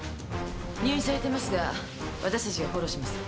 入院されてますが私たちがフォローします。